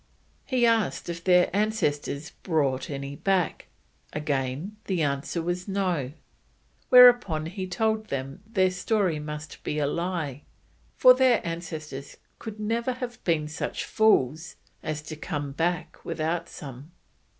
He asked if their ancestors brought any back, again the answer was "no"; whereon he told them their story must be a lie, for their ancestors could never have been such fools as to come back without some.